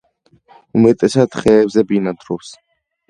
უმეტესად ხეებზე ბინადრობს.